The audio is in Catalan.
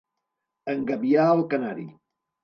Engabiar el canari.